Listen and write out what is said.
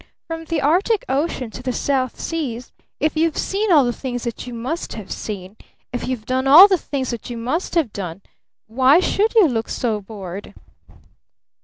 "From the Arctic Ocean to the South Seas, if you've seen all the things that you must have seen, if you've done all the things that you must have done WHY SHOULD YOU LOOK SO BORED?"